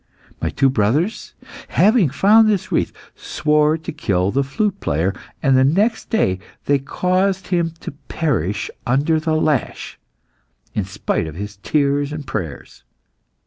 My two brothers, having found this wreath, swore to kill the flute player, and the next day they caused him to perish under the lash, in spite of his tears and prayers.